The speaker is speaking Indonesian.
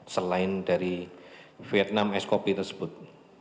selain dari vietnam eskopi tersebut